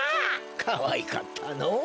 かわいかったのぉ。